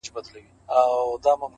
په اندېښنو ولې نري کړو زړونه